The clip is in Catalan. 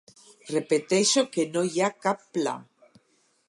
Repeteixo que no hi ha cap pla.